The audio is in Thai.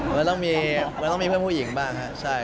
มันต้องมีเพื่อนผู้หญิงบ้างครับ